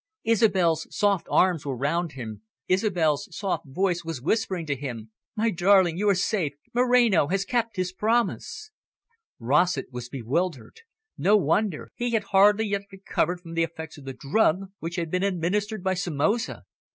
Isobel's soft arms were round him, Isobel's soft voice was whispering to him. "My darling, you are safe. Moreno has kept his promise." Rossett was bewildered. No wonder! He had hardly yet recovered from the effects of the drug which had been administered by Somoza.